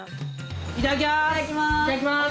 いただきます。